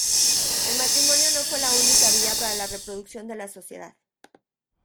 El matrimonio no fue la única vía para la reproducción de la sociedad.